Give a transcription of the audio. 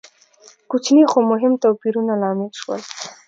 کوچني خو مهم توپیرونه لامل شول.